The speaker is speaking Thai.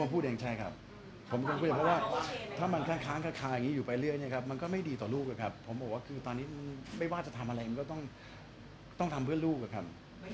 ผมก็พูดเองใช่ครับผมก็พูดเองเพราะว่าถ้ามันค้างอยู่ไปเรื่อยเนี่ยครับมันก็ไม่ดีต่อลูกอะครับผมบอกว่าคือตอนนี้ไม่ว่าจะทำอะไรมันก็ต้องทำเพื่อลูกอะครับ